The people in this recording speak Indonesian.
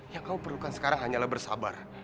yang kau perlukan sekarang hanyalah bersabar